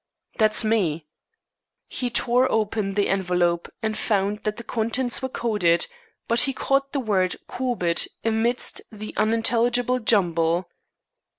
"That's me." He tore open the envelope, and found that the contents were coded, but he caught the word "Corbett" amidst the unintelligible jumble.